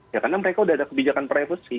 ya karena mereka sudah ada kebijakan privasi